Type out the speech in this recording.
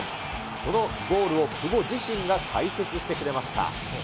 このゴールを久保自身が解説してくれました。